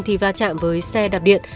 thì va chạm với xe đạp điện